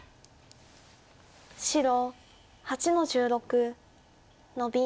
白８の十六ノビ。